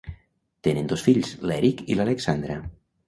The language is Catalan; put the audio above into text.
Tenen dos fills, l'Erik i l'Alexandra.